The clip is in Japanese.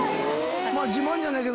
まあ自慢じゃないけど。